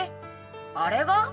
「あれ」が？